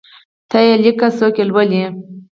ته یی لیکه څوک یي لولﺉ